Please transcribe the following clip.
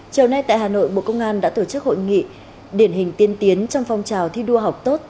chiều nay tại hà nội bộ công an đã tổ chức hội nghị điển hình tiên tiến trong phong trào thi đua học tốt